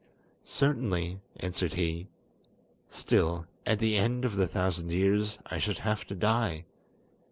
"Certainly," answered he; "still, at the end of the thousand years I should have to die!